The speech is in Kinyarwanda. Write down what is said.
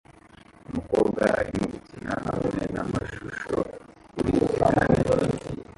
Umukobwa arimo gukina hamwe namashusho kuri ecran nini